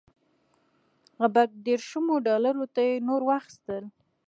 غبرګ دېرشمو ډالرو ته یې نور واخیستل.